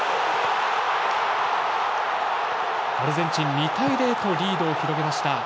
アルゼンチン２対０とリードを広げました。